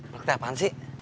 fraktek apaan sih